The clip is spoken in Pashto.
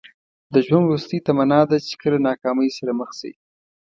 د ژوند وروستۍ تمنا ده چې کله ناکامۍ سره مخ شئ.